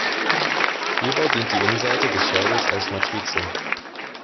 Hierbei dient die Innenseite des Schädels als Matrize.